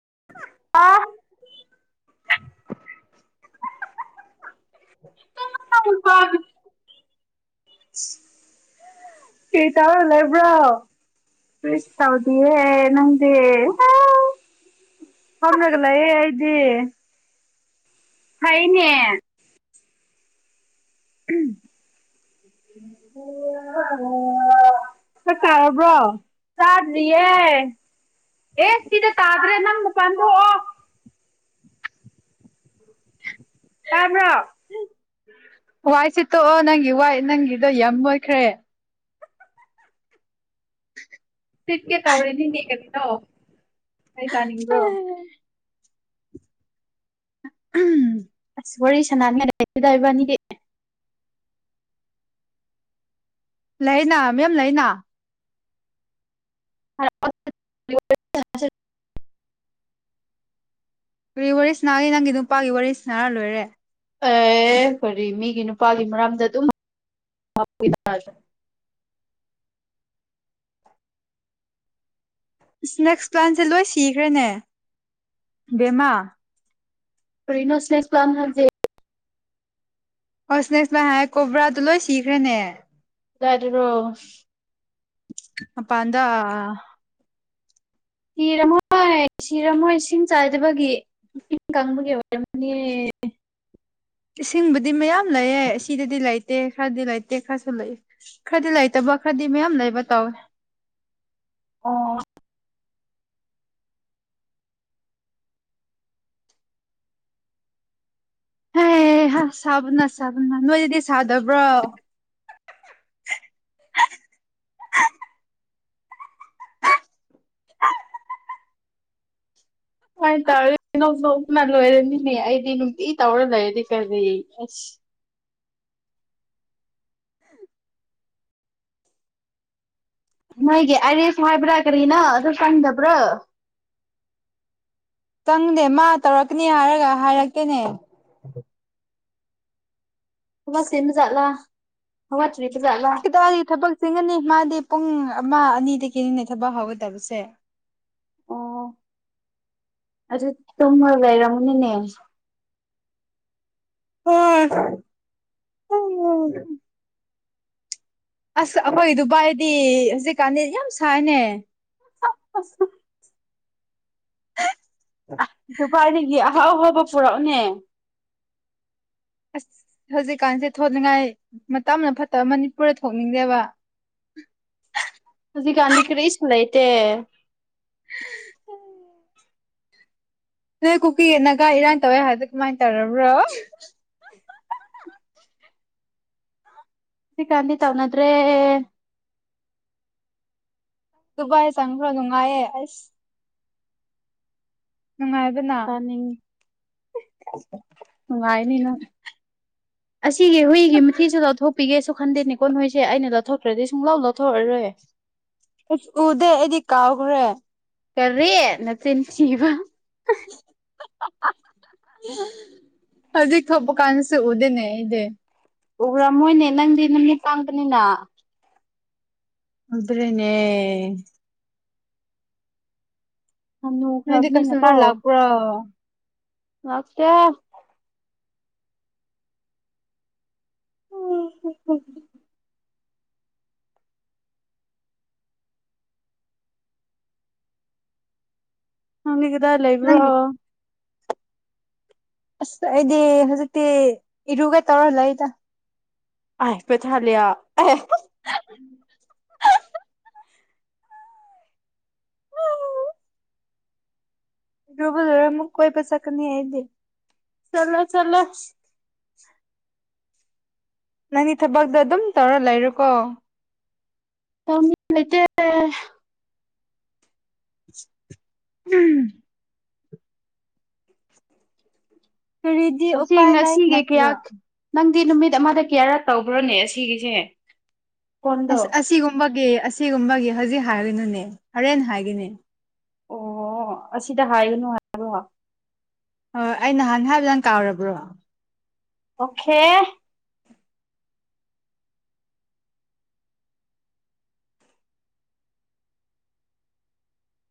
ꯑꯣ [unintelligible] [inaudible] [unintelligible] ꯑꯦꯇ [unintelligible] ꯂꯩꯕ꯭ꯔꯣ ꯁ ꯇꯥꯎꯗꯑꯦ ꯅꯪꯗꯤꯦ [unintelligible] ꯐꯝꯃꯂꯒ ꯂꯩꯑ‌ꯦ ꯍꯥꯏꯗꯤ ꯍꯥꯏꯅꯦ ꯎꯝ ꯎꯝ ꯆꯥꯛ ꯆꯥꯔꯕ꯭ꯔꯣ ꯆꯥꯗꯔꯤꯌꯦ ꯑꯦ ꯁꯤꯗ ꯇꯥꯗ꯭ꯔꯦ ꯅꯪ ꯃꯄꯥꯟ ꯊꯣꯛꯑꯣ ꯇꯥ꯭ꯕꯔꫭ ꯋꯥꯏꯠꯁꯤꯠ ꯇꯣꯛꯑꯣ ꯅꯪꯒꯤ ꯋꯥꯏꯠ ꯅꯪꯒꯤꯗꯣ ꯌꯥꯝ ꯃꫭꯠꯈ꯭ꯔꯦ ꯁꯤꯠꯀꯦ ꯇꯧꯔꯤꯗꯤꯅꯦ ꯀꯔꯤꯅ‌ꫭ ꯀꯩꯁꯥꯅꯤꯡꯕ꯭ꯔꯣ ꯎꯝ ꯑꯁ ꯋꯥꯔꯤ ꯁꯅꯥꯗꯏꯕꯅꯤꯗꯤ ꯂꯩꯅꯥ ꯃꯦꯝ ꯂꯩꯅꯥ [unintelligible] ꯀ ꯋꯥꯔꯤ ꯁꯅꯥꯒꯦ ꯅꯪꯒꯤ ꯅꯨꯄꯥꯒꯤ ꯋꯥꯔꯤꯁꯤꯅꯔ ꯂꯣꯏꯔꯦ ꯑꯦ ꯀꯔꯤ ꯃꯤꯒꯤ ꯅꯨꯄꯥꯒꯤ ꯃꯔꯝꯗ ꯑꯗꯨꯝ ꯍꯥ ꯏꯔꯖ ꯏꯁꯅꯦꯛꯁ ꯄ꯭ꯂꯥꯟꯁꯦ ꯂꯣꯏ ꯁꯤꯈ꯭ꯔꯦꯅꯦ ꯕꯦꯝꯃꯥ ꯀꯔꯤꯅꯣ ꯁ꯭ꯅꯦꯛꯁ ꯄꯂꯥꯟꯠ ꯍꯥꯏꯁꯤ ꯍꯁꯅꯦꯁꯃ ꯍꯥꯏ ꯀꯧꯕꯣꯕ꯭ꯔꯥꯗꯨ ꯂꯣꯏ ꯁꯤꯈ꯭ꯔꯦꯅꯦ ꯀꯗꯥꯏꯗꯔꯣ ꯃꯄꯥꯟꯗ ꯍꯔꯃ ꯁꯤꯔꯃꯣꯏ ꯏꯁꯤꯡ ꯆꯥꯏꯗꯕꯒꯤ ꯏꯁꯤꯡ ꯀꯥꯡꯪꯕꯒꯤ ꯑꯣꯏꯔꯝꯅꯦ ꯏꯁꯤꯡꯕꯨꯗꯤ ꯃꯌꯥꯝ ꯂꯩꯌꯦ ꯑꯁꯤꯗꯗꯤ ꯂꯩꯇꯦ ꯂꯩꯇꯦ ꯈꯔꯗꯤ ꯂꯩꯇꯦ ꯈꯔꯁꯨ ꯂꯩ ꯈꯔꯗꯤ ꯂꯩꯇꯕ ꯈꯔꯗꯤ ꯃꯌꯥꯝ ꯂꯩꯕ ꯇꯧꯋꯦ [unintelligible] ꯑꯣ ꯍ ꯍ ꯁꯕꯅ ꯁꯕꯅ ꯅꯗꯤ ꯁꯥꯗꯕ꯭ꯔꯣ ꯀꯃꯥꯏꯅ ꯇꯧꯔꯦꯅꯧ ꯅꯣꯛꯅ ꯂꯣꯏꯔꯅꯤꯅꯦ ꯑꯩꯗꯤ ꯅꯨꯡꯇꯤ ꯇꯧꯔ ꯂꯩꯔꯗꯤ ꯐꯖꯩꯌꯦ ꯑꯁ ꯅꯣꯏꯒꯤ ꯑꯔꯤꯁ ꯍꯥꯏꯕ꯭ꯔꯥ ꯀꯔꯤꯅ ꯑꯗꯨ ꯆꯪꯗꯕ꯭ꯔꯥ ꯆꯪꯗꯦ ꯃꯥ ꯇꯧꯔꯛꯀꯅꯤ ꯍꯥꯏꯔꯒ ꯍꯥꯏꯔꯛꯀꯦꯅꯦ ꯊꯃ ꯁꯤꯃꯤ ꯆꯠꯂ ꯍ [unintelligible] ꯈꯤꯇꯗꯤ ꯊꯕꯛ ꯆꯪꯉꯅꯤ ꯃꯥꯗꯤ ꯄꯨꯡ ꯑꯃ ꯑꯅꯤꯗꯒꯤ ꯀꯅꯤ ꯊꯕꯛ ꯍꯧꯒꯗꯕꯁꯦ ꯑꯣ ꯑꯗꯨ ꯇꯨꯡꯉꯣꯏ ꯂꯩꯔꯝꯃꯅꯅꯦ ꯍꯝ ꯎꯝ ꯑꯁ ꯑꯩꯈꯣꯏ ꯗꯨꯕꯥꯏꯗꯤ ꯍꯧꯖꯤꯛꯀꯥꯟꯗꯤ ꯌꯥꯝ ꯁꯥꯏꯅꯦ ꯁ ꯍꯥ ꯁ ꯗꯨꯄꯥꯥꯏꯗꯒꯤ ꯑꯍꯥꯎ ꯑꯍꯥꯎꯕ ꯄꯨꯔꯛꯎꯅꯦ ꯑꯁ ꯍꯧꯖꯤꯛꯀꯥꯟꯁꯦ ꯊꯣꯛꯅꯤꯡꯉꯥꯏ ꯃꯇꯝꯅ ꯐꯠꯇꯕ ꯃꯅꯤꯄꯨꯔꯗ ꯊꯣꯛꯅꯤꯡꯗꯦꯕ ꯎꯝ ꯍꯧꯖꯤꯛ ꯀꯥꯟꯗꯤ ꯀꯔꯤꯁꯨ ꯂꯩꯇꯦ ꯅꯣꯏ ꯀꯨꯀꯤ ꯌꯦꯠꯅꯒ ꯏꯔꯥꯡ ꯇꯧꯋꯦ ꯍꯥꯏꯗ ꯀꯃꯥꯏꯅ ꯇꯧꯔꯕ꯭ꯔꯣ ꯁꯤ ꯈꯗꯤ ꯇꯋꯥꯅꯗ꯭ꯔꯦ ꯑꯗꯨꯗꯨꯕꯥꯥꯏ ꯆꯥꯡꯪ꯭ꯔꯣ ꯅꯨꯡꯉꯥꯏꯑꯦ ꯑꯁ ꯅꯨꯡꯉꯥꯏꯕꯅ ꯅꯨꯡꯉꯥꯏꯅꯤꯅ ꯑꯁꯤꯒꯤ ꯍꯨꯏꯒꯤ ꯃꯊꯤꯁꯤꯗ ꯂꯧꯊꯣꯛ ꯄꯤꯒꯦꯁꯨ ꯈꯟꯗꯦꯅꯦꯀꯣ ꯑꯁ ꯎꯗꯦ ꯑꯩꯗꯤ ꯀꯥꯎꯈ꯭ꯔꯦ ꯀꯔꯦ ꯃꯆꯤꯟ ꯊꯤꯕ [unintelligible] ꯍꯧꯖꯤꯛ ꯊꯣꯛꯄ ꯀꯥꯟꯁꯨ ꯎꯗꯅꯦ ꯑꯩꯗꯤ ꯎꯕ꯭ꯔꯥ ꯃꯣꯏꯅꯦ ꯅꯪꯗꯤ ꯅꯨꯃꯤꯠ ꯄꯥꯡꯕꯅꯤꯅ ꯑꯗꯨꯗ꯭ꯔꯦꯅꯦ ꯅꯗꯤ ꯍꯅꯨꯈ꯭ꯔꯕꯅꯤꯅꯀꯣ ꯀꯁꯇꯥꯃꯔ ꯂꯥꯛꯄꯔꯣ ꯅ ꯀ ꯎ ꯍ ꯍ ꯅꯪꯗꯤ ꯀꯗꯥꯏ ꯅꯪ ꯂꯩꯕ꯭ꯔꯣ ꯑꯁ ꯑꯩꯗꯤ ꯍꯧꯖꯤꯛꯇꯤ ꯏꯔꯨꯒ ꯇꯧꯔꯜꯂ ꯂꯩꯗ ꯍꯥꯏ ꯄꯦ ꯆꯂ ꯔꯨꯕꯜꯗꯨꯔ ꯑꯃꯨꯛ ꯀꯣꯏ ꯄꯩꯁꯥ ꯀꯅꯤ ꯍꯥꯏꯗꯤ ꯆꯂꯣ ꯆꯂꯣ ꯅꯪꯒꯤ ꯊꯕꯛꯇꯣ ꯑꯗꯨꯝ ꯇꯧꯔ ꯂꯩꯔꯣꯀꯣ ꯑꯇ ꯎꯝ ꯀꯔꯤꯗꯤ ꯑꯁꯤꯁꯦꯡ ꯎꯄꯥꯏ ꯂꯩ ꯉꯁꯤꯒ ꯀꯌꯥ ꯅꯠꯇ꯭ꯔꯣ ꯅꯪ ꯗꯤ ꯅꯨꯃꯤꯠ ꯑꯃꯗ ꯀꯦꯌꯥꯔ ꯇꯧꯕ꯭ꯔꯣꯅꯦ ꯑꯁꯤꯒꯤꯁꯦ ꯀꯣꯟꯗꯣ ꯑꯁ ꯑꯁꯤꯒꯨꯝꯕꯒꯤ ꯑꯁꯤꯒꯨꯝꯕꯒꯤ ꯍꯧꯖꯤꯛ ꯍꯥꯏꯔꯤꯅꯨꯅꯦ ꯍꯣꯔꯦꯟ ꯍꯥꯏꯒꯅꯦ ꯑꯣ ꯑꯁꯤꯗ ꯍꯥꯏꯒꯅꯨ ꯍꯥꯏꯔꯣꯑꯣ ꯍꯣꯏ ꯑꯩ ꯅꯍꯥꯟ ꯍꯥꯏꯕꯗꯪ ꯀꯥꯎꯔꯕ꯭ꯔꯣ ꯑꯣꯀꯦ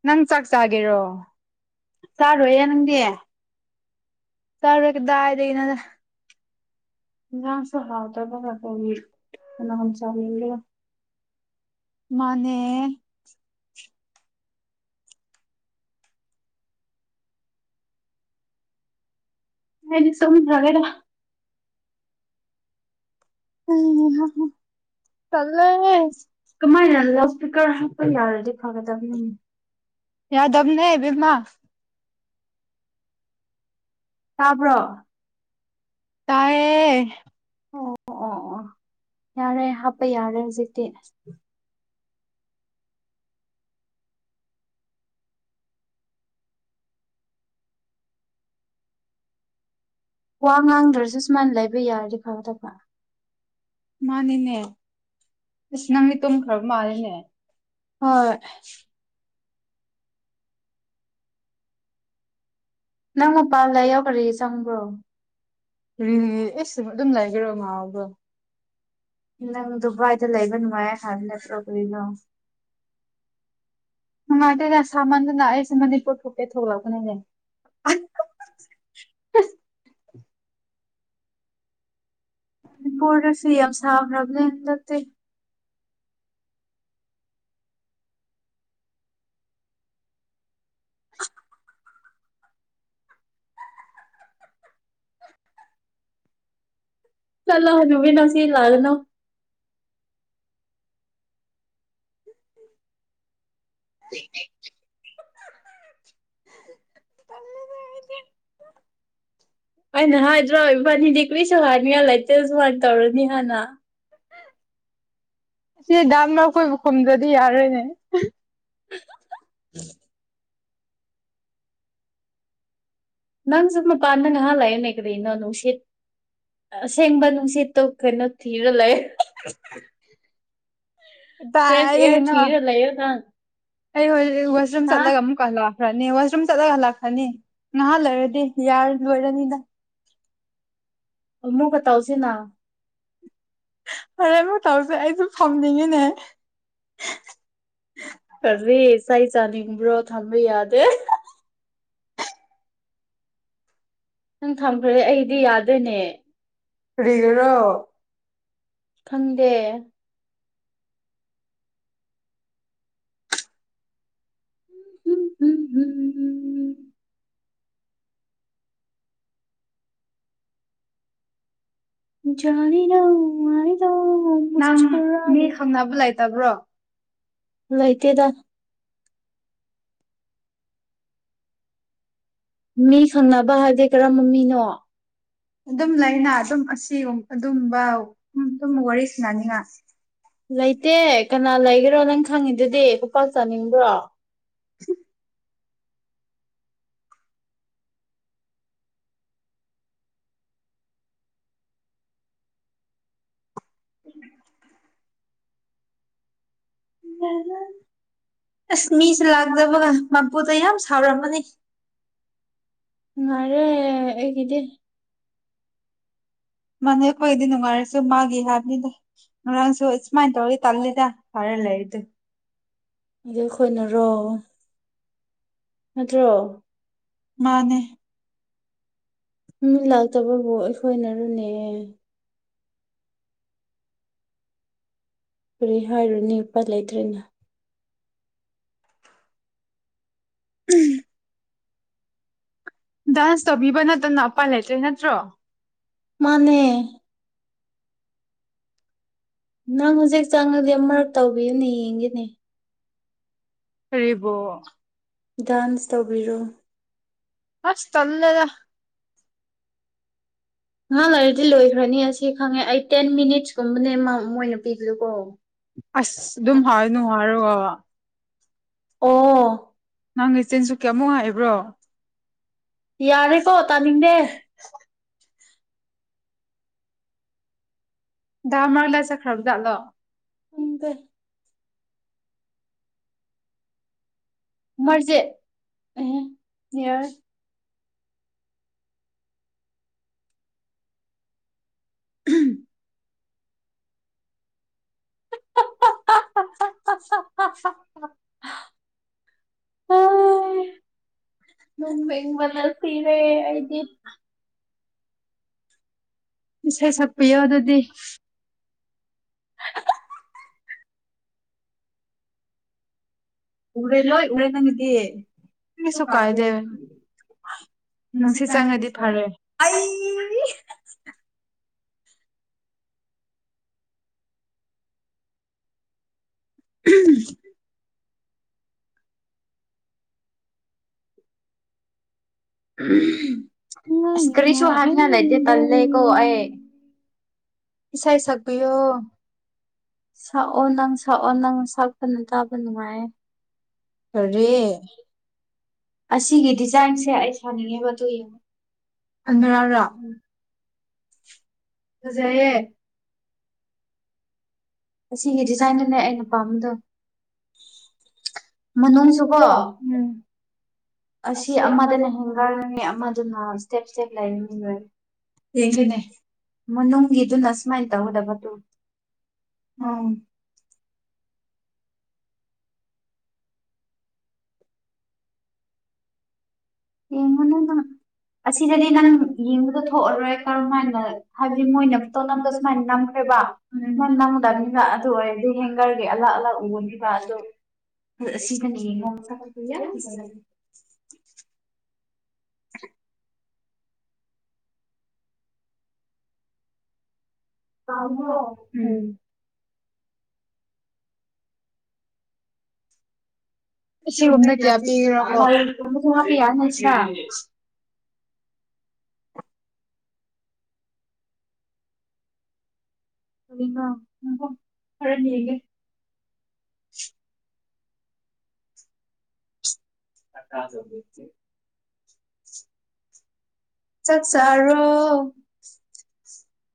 ꯅꯪ ꯆꯥꯛ ꯆꯥꯒꯦꯔꯣ ꯆꯥꯔꯣꯏꯌꯦꯦ ꯅꯪꯗꯤ ꯆꯔꯔꯗꯥꯑꯗ ꯏꯅꯗ ꯉꯁꯨꯍꯥꯎꯗ ꯀꯅꯥ ꯆꯕꯤ ꯃꯅꯦ ꯃꯗꯤ ꯁꯗ꯭ꯔꯒꯦꯗ ꯎꯝ ꯆꯜꯂ ꯀꯃꯥꯏꯅ ꯂꯥꯎꯠ ꯏꯁꯄꯤꯀꯔ ꯍꯥꯞꯄ ꯌꯥꯔꯗꯤ ꯐꯒꯗꯕꯅꯤ ꯌꯥꯗ ꯑꯃꯅꯦ ꯕꯃ ꯇꯥꯕ꯭ꯔꯣ ꯇꯥꯏꯌꯦ ꯑꯣ ꯑꯣ ꯑꯣ ꯌꯥꯔꯦ ꯍꯥꯞꯄ ꯌꯥꯔꯦ ꯍꯧꯖꯤꯛꯇꯤ ꯑ ꯋꯥ ꯉꯥꯡꯗ꯭ꯔꯁꯨ ꯁꯨꯃꯥꯏꯅ ꯂꯩꯕ ꯌꯥꯔꯗꯤ ꯐꯗ ꯃꯥꯅꯤꯅꯦ ꯑꯁ ꯅꯪ ꯃꯤ ꯇꯨꯝꯈ꯭ꯔꯕ ꯃꯥꯜꯂꯤꯅꯦ ꯍꯣꯏ ꯅꯪ ꯃꯄꯥꯥꯟꯜꯂ ꯌꯎꯈꯔꯦ ꯆꯪꯕ꯭ꯔꯣ ꯑꯦ ꯑꯗꯨꯝ ꯂꯥꯏꯕꯤꯔꯣ ꯃꯥꯕ ꯅꯪ ꯗꯨꯕꯥꯏꯗ ꯂꯩꯕ ꯅꯨꯡꯉꯥꯏ ꯍꯥꯏꯕ ꯅꯠꯇ꯭ꯔꯣ ꯀꯅꯣ ꯅꯨꯡꯉꯥꯏꯇꯦꯗ ꯁꯥꯃꯟꯗꯅ ꯑꯩꯁꯦ ꯃꯅꯤꯄꯨꯔ ꯊꯣꯛꯀꯦ ꯊꯣꯛꯂꯛꯒꯅꯤꯅꯦ ꯃꯅꯤꯄꯨꯔꯗ ꯁꯤ ꯑꯦꯝ ꯁꯥꯕ꯭ꯔꯔꯕꯅꯦꯟꯗꯠꯇ ꯆꯂꯣ ꯍꯧꯖꯤꯨꯃꯤ ꯅꯁꯤ ꯂꯒꯅ ꯇꯂ ꯅꯤ ꯗ꯭ꯔꯤꯁ ꯍꯅꯤꯉꯜ ꯂꯩꯇꯁꯨ ꯋꯥꯅ ꯇꯧꯔꯣꯅꯤ ꯍꯥꯏꯥꯟꯅ ꯁꯤ ꯗꯥꯥꯟꯃ ꯑꯩ ꯀꯣꯏꯕꯨ ꯈꯨꯝꯗ꯭ꯔꯗꯤ ꯌꯥꯔꯣꯏꯅꯦ ꯅꯪ ꯁꯨꯝꯃ ꯄꯥꯅꯉꯍꯥꯟ ꯂꯩꯑꯟꯅ ꯀꯗ ꯏꯟꯅꯣꯅ ꯎ ꯎꯆꯦꯠ ꯑꯁꯦꯡꯕ ꯅꯨꯡꯁꯤꯠꯇ ꯀꯩꯅꯣ ꯊꯤꯔ ꯂꯩ ꯇꯥꯏ ꯑꯩꯗꯤ ꯀꯩꯅꯣ ꯊꯤꯔ ꯂꯩꯌꯣ ꯅꯪ ꯑꯩ ꯍꯖꯤꯛ ꯋꯥꯁꯔꯨꯝ ꯍꯥ ꯆꯠꯂꯒ ꯑꯃꯨꯛ ꯀꯜꯂꯣ ꯈ꯭ꯔꯅꯤ ꯋꯥꯁꯔꯨꯝ ꯆꯠꯂꯒ ꯂꯥꯛꯀꯅꯤ ꯅꯍꯥꯟ ꯂꯩꯔꯗꯤ ꯌꯥꯔ ꯂꯣꯏꯔꯅꯤꯗ ꯃꯨ ꯀ ꯇꯧꯁꯤꯅ ꯍꯣꯔꯦꯟ ꯃꯇꯧꯁꯦ ꯑꯩꯁꯨ ꯐꯝꯅꯤꯡꯉꯤꯅꯦ ꯀꯦ ꯆ ꯆꯥꯅꯤꯡꯕ꯭ꯔꯣ ꯊꯝꯕ ꯌꯥꯗꯦ ꯅꯪ ꯊꯝꯈ꯭ꯔꯦ ꯑꯩꯗꯤ ꯌꯥꯗꯔꯅꯦ ꯀꯔꯤꯒꯤꯔꯣ ꯈꯪꯗꯦ ꯍꯨꯝ ꯍꯨꯝ ꯍꯨꯝ ꯌꯥꯅꯤ ꯂ ꯃꯥꯔꯤꯗ [inaudible] ꯅꯪ ꯃꯤ ꯈꯪꯅꯕ ꯂꯩꯇꯕ꯭ꯔꯣ ꯂꯩꯥꯏꯇꯦꯗ ꯃꯤ ꯁꯪꯅꯕ ꯍꯥꯏꯗꯤ ꯀꯔꯝꯕ ꯃꯤꯅꯣ ꯑꯗꯨꯝ ꯂꯩꯅ ꯑꯗꯨꯝ ꯑꯁꯤꯒ ꯑꯗꯨꯝꯕ ꯑꯗꯨꯝ ꯋꯥꯔꯤ ꯁꯅꯅꯤꯡꯉꯥꯏ ꯂꯩꯇꯦ ꯀꯅꯥ ꯂꯩꯒꯦꯔꯣ ꯅꯪ ꯈꯪꯉꯤꯗꯨꯗꯤ ꯈꯨꯄꯥꯛ ꯆꯥꯅꯤꯡꯕ꯭ꯔꯣ [inaudible] ꯎꯝ [inaudible] ꯑꯁ ꯃꯤꯁꯦ ꯂꯥꯛꯇꯕꯒ ꯃꯄꯨꯗ ꯌꯥꯝ ꯁꯥꯎꯔꯝꯃꯅꯤ ꯅꯨꯉꯥꯏꯔꯦ ꯑꯩꯒꯤꯗꯤ ꯃꯥꯅꯦ ꯑꯈꯣꯏꯒꯤꯗꯤ ꯅꯨꯡꯉꯥꯏꯔꯁꯨ ꯃꯥꯒꯤ ꯍꯥꯏꯕꯅꯤꯗ ꯉꯔꯥꯡꯁꯨ ꯁꯨꯃꯥꯏꯅ ꯇꯧꯔꯤ ꯇꯜꯂꯤꯗ ꯐꯔꯦ ꯂꯩꯥꯏꯗ ꯑꯗꯨ ꯑꯈꯣꯏꯅꯔꯣ ꯅꯠꯇ꯭ꯔꯣ ꯃꯥꯅꯦ ꯃꯤ ꯂꯥꯛꯇꯕꯕꯨ ꯑꯈꯣꯏꯅꯔꯅꯦ ꯀꯔꯤ ꯍꯥꯏꯔꯨꯅꯤ ꯅꯨꯄꯥ ꯂꯩꯇ꯭ꯔꯦꯅ ꯎꯝ ꯗꯥꯟꯁ ꯇꯧꯕꯤꯕ ꯅꯠꯇꯅ ꯎꯄꯥꯏ ꯂꯩꯇ꯭ꯔꯦ ꯅꯠꯇ꯭ꯔꯣ ꯃꯅꯦ ꯅꯪ ꯍꯧꯖꯤꯛ ꯆꯪꯉꯗꯤ ꯑꯃꯔꯥꯛ ꯇꯧꯕꯤꯌꯨꯅꯦ ꯌꯦꯡꯒꯦꯅꯦ ꯀꯥꯔꯤꯕꯣ ꯗꯥꯟꯁ ꯇꯧꯕꯤꯔꯣ ꯑꯁ ꯇꯜꯂꯦꯗ ꯉꯍꯥꯡ ꯂꯩꯔꯗꯤ ꯂꯣꯏꯈ꯭ꯔꯅꯤ ꯑꯁꯤ ꯈꯪꯉꯦ ꯑꯩ ꯇꯦꯟ ꯃꯤꯅꯤꯠꯁꯀꯨꯝꯕꯅꯦ ꯃꯣꯏꯅ ꯄꯤꯔꯤꯗꯨꯀꯣ ꯑꯁ ꯑꯗꯨꯝ ꯍꯥꯏꯅꯨ ꯍꯥꯏꯔꯒ ꯑꯣ ꯅꯪꯒꯤ ꯆꯤꯟꯁꯨ ꯀꯌꯥꯃꯨꯛ ꯍꯥꯏꯕ꯭ꯔꯣ ꯌꯥꯔꯦꯀꯣ ꯇꯥꯅꯤꯡꯗꯦ ꯗꯥ ꯃꯔꯛꯂ ꯆꯠꯈ꯭ꯔꯥꯕꯖꯥꯠꯂꯣ ꯈꯪꯗꯦ ꯃꯔꯖꯤꯠ ꯎꯝ ꯌꯦꯔꯦ [inaudible] ꯍꯥꯏ ꯇꯨꯝꯅꯤꯡꯕꯅ ꯁꯤꯔꯦ ꯑꯩꯗꯤ ꯏꯁꯩ ꯁꯛꯄꯤꯌꯣ ꯑꯗꯨꯗꯤ ꯎꯔꯦ ꯂꯣꯏ ꯎꯔꯦ ꯅꯥꯪꯒꯤꯗꯤ ꯀꯩꯁꯨ ꯀꯔꯤꯁꯨ ꯀꯥꯟꯅꯗꯦ ꯀꯥꯏꯗꯦ ꯃꯁꯤ ꯅꯨꯡꯁꯤꯠ ꯆꯪꯉꯗꯤ ꯐꯔꯦ ꯐꯔꯥꯅꯤ ꯑꯩ ꯎꯝ ꯎꯝ ꯑꯁ ꯀꯔꯤꯁꯨ ꯍꯥꯏꯅꯉꯥꯏ ꯂꯩꯇꯦꯀꯣ ꯑꯩ ꯏꯁꯩ ꯁꯛꯄꯤꯌꯣ ꯁꯛꯑꯣ ꯅꯪ ꯁꯛꯑꯣ ꯅꯪ ꯁꯛꯄꯅ ꯇꯥꯕ ꯅꯨꯡꯉꯥꯏꯌꯦ ꯀꯔꯤ ꯑꯁꯤꯒꯤ ꯗꯤꯖꯥꯏꯟꯁꯦ ꯑꯩ ꯁꯥꯅꯤꯡꯉꯦꯕ ꯑꯗꯨꯒꯤ ꯅꯪ ꯉꯔꯥꯡ ꯑꯟꯗꯔꯔꯣ ꯂꯥꯛꯄ ꯐꯖꯩꯌꯦ ꯑꯁꯤꯒꯤ ꯁꯤꯒꯤ ꯗꯤꯖꯥꯏꯟꯗꯨꯅꯦ ꯗꯤꯖꯥꯏꯟꯁꯦ ꯑꯩ ꯑꯩꯅ ꯄꯥꯝꯕꯗꯣ ꯄꯥꯝꯗꯦ ꯃꯃ ꯃꯅꯨꯡꯁꯨꯀꯣ ꯇꯕꯣ ꯎꯝ ꯑꯁꯤ ꯑꯃꯗꯅ ꯍꯟꯖꯔꯅꯤ ꯍꯦꯡꯒꯔꯅꯦ ꯑꯃꯗꯨꯅ ꯑꯃꯗꯅ ꯏꯁꯇꯦꯞ ꯁꯦꯦꯛ ꯁꯦꯛ ꯏꯁꯇꯦꯞ ꯂꯩꯅꯤ ꯂꯩꯔꯅꯤ ꯍꯟꯕ ꯂꯣꯏꯔꯦ ꯍꯒꯅꯦ ꯏ ꯃꯅꯨꯡꯒꯤꯗꯨꯅ ꯅꯁꯅ ꯍꯥꯏ ꯁꯨꯃꯥꯏꯅ ꯇꯕ ꯇꯧꯒꯗꯕ ꯅꯗꯤ ꯇꯨ ꯑꯥ ꯌꯦꯉꯣꯟꯅ ꯑꯁꯤꯗꯗꯤ ꯅꯪ ꯌꯦꯡꯕꯗ ꯊꯣꯛꯑꯔꯣꯏ ꯀꯔꯝꯍ ꯍꯥꯏꯅ ꯍꯥꯏꯕꯗꯤ ꯃꯣꯏꯅ ꯐꯣꯇꯣ ꯅꯝꯗ ꯁꯨꯃꯥꯏꯅ ꯅꯝꯈ꯭ꯔꯦ ꯕ ꯎ ꯅꯪ ꯅꯪꯉꯗꯅꯤꯗ ꯅꯝꯗꯕꯅꯤꯅ ꯑꯗꯨ ꯑꯣꯏꯔꯗꯤ ꯍꯦꯡꯒꯔꯒꯤ ꯍꯟꯗꯛꯀꯤ ꯑꯂꯛ ꯑꯂꯥꯞ ꯑꯂꯥꯛ ꯑꯂꯥꯞ ꯎꯒꯅꯤꯕ ꯑꯗꯨ ꯑꯁꯤꯗꯅꯤ ꯁꯀꯄꯌꯥꯖ ꯄꯥꯝꯃꯤꯀꯣ ꯑꯕꯣꯝ ꯎꯝ ꯁꯤꯒꯨꯝꯕ ꯁꯤꯒꯨꯝꯅ ꯀꯌꯥ ꯄꯤꯕꯅꯣ ꯄꯤꯈꯅꯣꯀꯣ ꯂꯩꯒꯨꯝꯕꯁꯨ ꯍꯥꯞꯄ ꯌꯥꯅꯤ ꯁꯤꯗ ꯑꯉ ꯎ ꯍꯂ ꯊꯒ ꯆꯁꯤ ꯆꯠ ꯆꯥꯛ ꯆꯔꯣ ꯆꯥꯔꯕꯣ